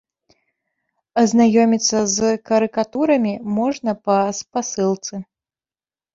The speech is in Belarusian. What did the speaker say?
Азнаёміцца з карыкатурамі можна па спасылцы.